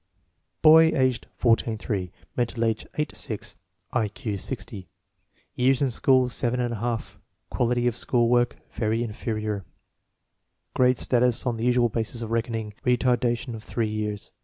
Boy; age 14 8; mental age 8 6; I Q 60; years in school seven and a half; quality of school work "very inferior"; grade status on the usual basis of reckoning, retardation of three years.